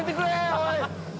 おい！